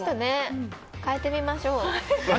変えてみましょう。